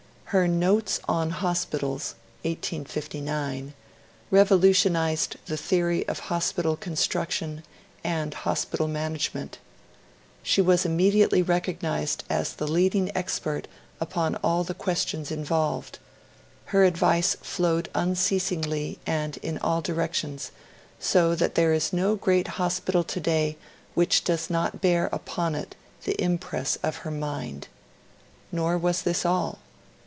Her "Notes on Hospitals" (1859) revolutionised the theory of hospital construction and hospital management. She was immediately recognised as the leading expert upon all the questions involved; her advice flowed unceasingly and in all directions, so that there is no great hospital today which does not bear upon it the impress of her mind. Nor was this all.